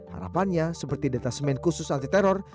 harapannya seperti detasemen khusus anti teror